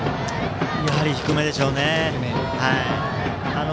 やはり低めでしょうね。